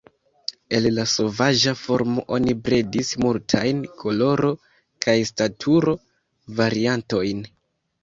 El la sovaĝa formo oni bredis multajn koloro- kaj staturo-variantojn.